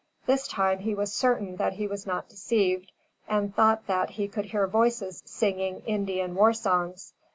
This time he was certain that he was not deceived, and thought that he could hear voices singing Indian war songs.